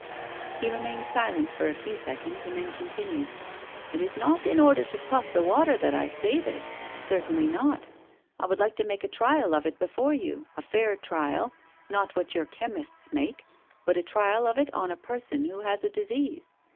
He remained silent for a few seconds, and then continued: "It is not in order to puff the water that I say this! certainly not. I would like to make a trial of it before you, a fair trial, not what your chemists make, but a trial of it on a person who has a disease.